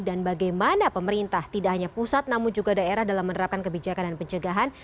dan bagaimana pemerintah tidak hanya pusat namun juga daerah dalam menerapkan kebijakan dan pencegahan